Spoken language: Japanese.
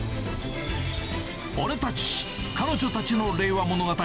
俺たち、彼女たちの令和物語。